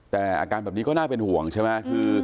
แต่อาการแบบนี้ก็น่าเป็นห่วงใช่ไหม